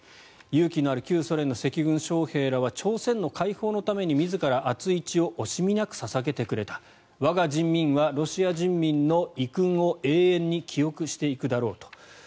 勇気のある旧ソ連の赤軍将兵は朝鮮の解放のために自ら熱い血を惜しみなく捧げてくれた我が人民はロシア人民の偉勲を永遠に記憶していくだろうと。